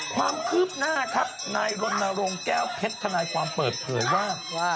ความคืบหน้าครับนายรณรงค์แก้วเพชรทนายความเปิดเผยว่า